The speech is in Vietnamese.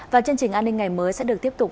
và chương trình an ninh ngày mới sẽ được tiếp tục